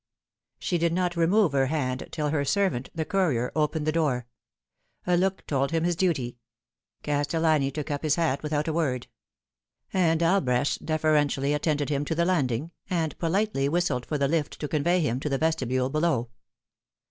She did not remove her hand till her servant, the courier, opened the door. A look told him his duty. Castellani took up his hat without a word ; and Albrecht deferentially attended him to the landing, and politely whistled for the lift to convey him to the vestibule below.